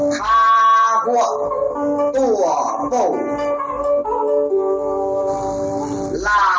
คาไหวตัวเปล่า